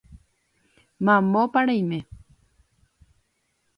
Mamópa reime